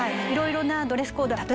いろいろなドレスコード